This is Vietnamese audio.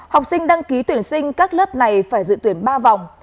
học sinh đăng ký tuyển sinh các lớp này phải dự tuyển ba vòng